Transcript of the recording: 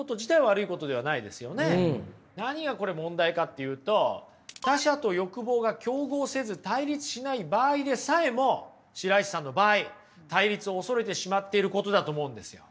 何がこれ問題かっていうと他者と欲望が競合せず対立しない場合でさえも白石さんの場合対立を恐れてしまってることだと思うんですよ。